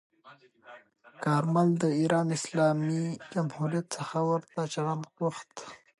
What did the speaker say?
کارمل د ایران اسلامي جمهوریت څخه ورته چلند غوښت.